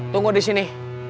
tunggu di sini